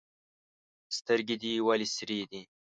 سترګي دي ولي سرې دي؟